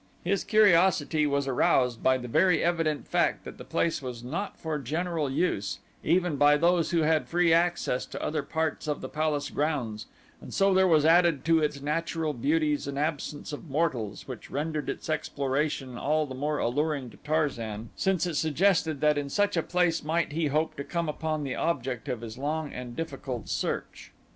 His curiosity was aroused by the very evident fact that the place was not for general use, even by those who had free access to other parts of the palace grounds and so there was added to its natural beauties an absence of mortals which rendered its exploration all the more alluring to Tarzan since it suggested that in such a place might he hope to come upon the object of his long and difficult search.